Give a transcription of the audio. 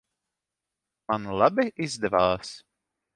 Man labi izdevās?